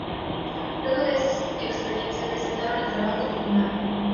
Luego de esa experiencia, presentaron el trabajo “"Tucumán.